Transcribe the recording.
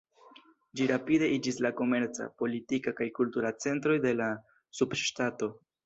Ĝi rapide iĝis la komerca, politika, kaj kultura centroj de la subŝtato.